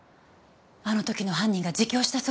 あの時の犯人が自供したそうです。